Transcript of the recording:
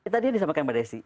tadi yang disampaikan pada esy